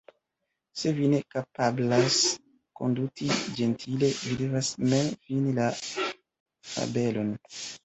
Se vi ne kapablas konduti ĝentile, vi devas mem fini la fabelon."